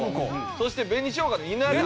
そして紅しょうがの稲田。